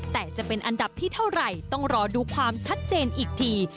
แต่จะเป็นอันดับที่เท่าไหร่ต้องรอดูความชัดเจนอีกที